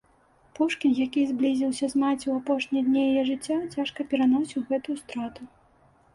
Пушкін, які зблізіўся з маці ў апошнія дні яе жыцця, цяжка пераносіў гэтую страту.